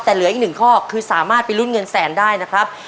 แต่เหลืออีกหนึ่งข้อคือสามารถไปลุ้นเงินแสนได้นะครับ